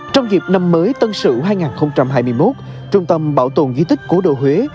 trong dịp năm mới tân sự hai nghìn hai mươi một trung tâm bảo tồn di tích cố đồ huế